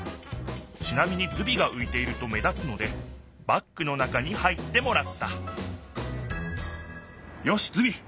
ちなみにズビがういていると目立つのでバッグの中に入ってもらったよしズビ！